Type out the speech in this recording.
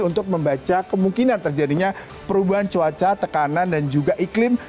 untuk membaca kemungkinan terjadinya perubahan cuaca tekanan dan juga iklim